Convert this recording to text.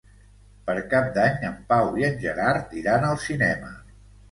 Per Cap d'Any en Pau i en Gerard iran al cinema.